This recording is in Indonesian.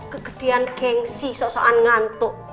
kegedean geng sih sosokan ngantuk